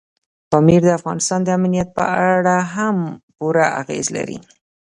پامیر د افغانستان د امنیت په اړه هم پوره اغېز لري.